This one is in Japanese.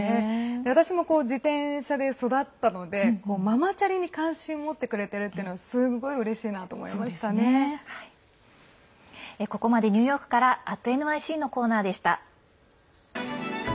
私も自転車で育ったのでママチャリに関心を持ってくれてるというのはここまでニューヨークから「＠ｎｙｃ」のコーナーでした。